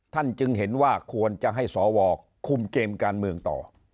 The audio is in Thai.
จึงเห็นว่าควรจะให้สวคุมเกมการเมืองต่อ